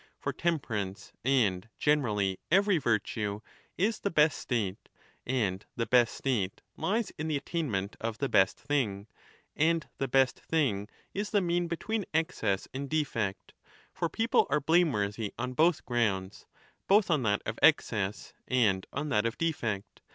For temperance and generally every virtue is the best state, and the best state lies in I191'' the attainment of the best thing, and the best thing is the mean between excess and defect ; for people are blame worthy on both grounds, both on that of excess and on that of defect.